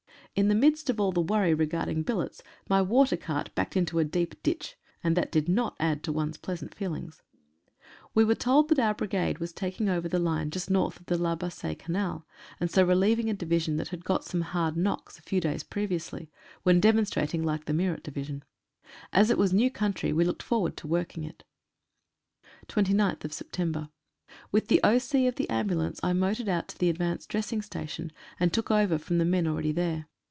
In the midst of all the worry, re billets, my watercart backed into a deep ditch, and that did not add to one's pleasant feelings. We were told that our Brigade was taking over the 128 LONE FARM — GIVENCHY. line just north of the La Bassee Canal, and so relieving a division that had got some hard knocks a few days previously, when demonstrating, like the Meerut Divi sion. As it was new country we looked forward to working it. 29th Sept.— With the O.C. of the Ambulance I motored out to the Advanced Dressing Station, and took over from the men already there.